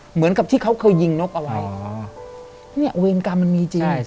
เหมือนกับที่เขาเคยยิงนกเอาไว้